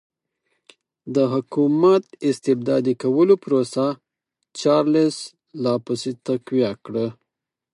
د حکومت استبدادي کولو پروسه چارلېس لا پسې تقویه کړه.